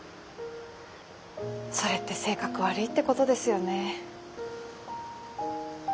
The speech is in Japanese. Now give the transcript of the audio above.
それって性格悪いってことですよね。